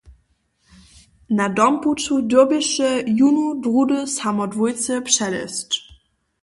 Na dompuću dyrbješe jónu, druhdy samo dwójce přelězć.